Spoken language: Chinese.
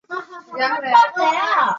有子章碣。